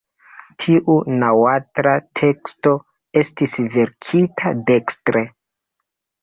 Tiu naŭatla teksto estis verkita dekstre.